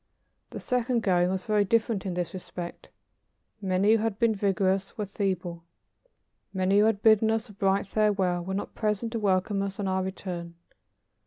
The second going was very different in this respect. Many who had been vigorous were feeble. Many who had bidden us a bright farewell were not present to welcome us on our return.